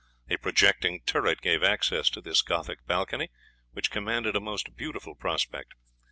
A projecting turret gave access to this Gothic balcony, which commanded a most beautiful prospect.